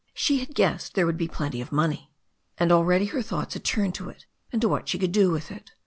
She had guessed there would be plenty of money, and already her thoughts had turned to it and to what she could do with it.